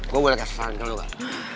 gue boleh kasih saran ke lo gak